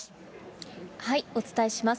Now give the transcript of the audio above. お伝えします。